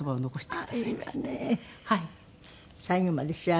はい。